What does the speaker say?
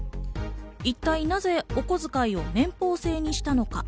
一体なぜお小遣いを年俸制にしたのか。